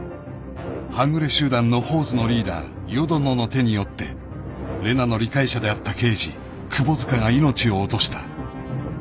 ［半グレ集団野放図のリーダー淀野の手によって玲奈の理解者であった刑事窪塚が命を落とした］